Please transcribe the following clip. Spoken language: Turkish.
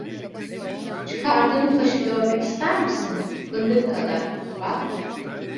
Çıkardığım taşı görmek ister misin? Fındık kadar… Bak!